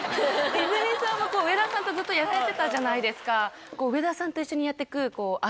泉さんも上田さんとずっとやられてたじゃないですか。